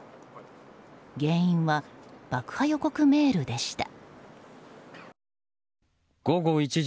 原因は爆破予告メールでした。